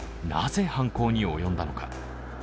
なぜ犯行に及んだのか。